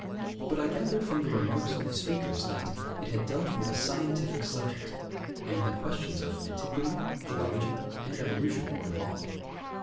But I gathered from the remarks of the speakers that it had dealt with a scientific subject, and that questions of antiquity, geology, and evolution were involved.